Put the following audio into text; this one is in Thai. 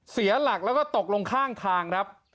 เสียหลักแล้วก็ตกลงข้างทางครับ